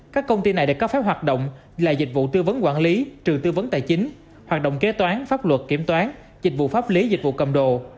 các công ty này được cấp phép hoạt động là dịch vụ tư vấn quản lý trừ tư vấn tài chính hoạt động kế toán pháp luật kiểm toán dịch vụ pháp lý dịch vụ cầm đồ